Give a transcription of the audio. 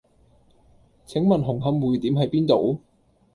請問紅磡薈點喺邊度？